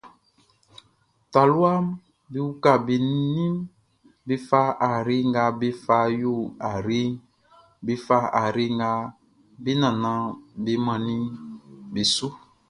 Taluaʼm be uka be ninʼm be fa ayre nga be fa yo ayreʼn, be fa ayre nga be nannanʼm be mannin beʼn su.